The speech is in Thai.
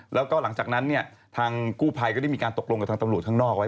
แล้วก็หลังจากนั้นเนี่ยทางกู้ภัยก็ได้มีการตกลงกับทางตำรวจข้างนอกไว้